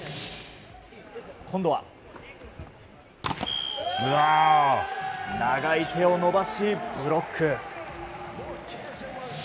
今度は、長い手を伸ばしブロック。